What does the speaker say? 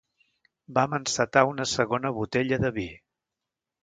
Vam encetar una segona botella de vi.